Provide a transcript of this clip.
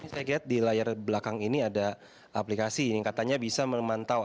saya lihat di layar belakang ini ada aplikasi ini katanya bisa memantau